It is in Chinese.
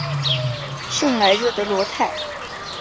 圣莱热德罗泰。